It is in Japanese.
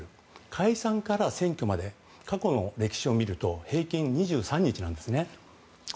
解散から選挙まで過去の歴史を見ると平均２３日なんですね。